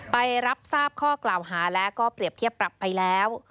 ไปรับทราบข้อกล่าวหาแล้วก็เปรียบเทียบปรับไปแล้ว